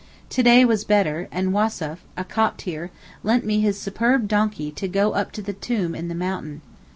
To day was better, and Wassef, a Copt here, lent me his superb donkey to go up to the tomb in the mountain.